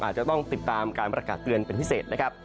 อาจจะต้องติดตามการประกาศเตือนเป็นพิเศษนะครับ